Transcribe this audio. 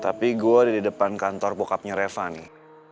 tapi gue ada di depan kantor bokapnya reva nih